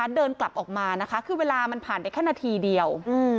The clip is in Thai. เดินกลับออกมานะคะคือเวลามันผ่านไปแค่นาทีเดียว